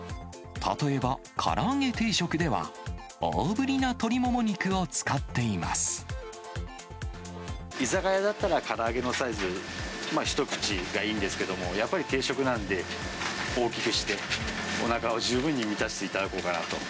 例えば、から揚げ定食では、居酒屋だったらから揚げのサイズ、一口がいいんですけれども、やっぱり定食なんで、大きくして、おなかを十分に満たしていただこうかなと。